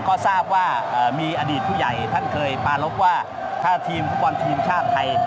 ก็ทราบว่ามีอดีตผู้ใหญ่ท่านเคยปารพว่าถ้าทีมฟุตบอลทีมชาติไทย